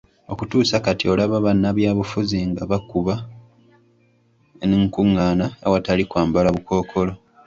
Okutuusa kati olaba bannabyabufuzi nga bakuba enkung'aana awatali kwambala bukookolo.